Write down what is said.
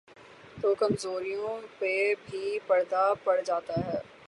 تو کمزوریوں پہ بھی پردہ پڑ جاتاہے۔